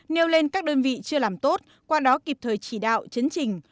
nêu lên các đơn vị chưa làm tốt qua đó kịp thời chỉ đạo chấn trình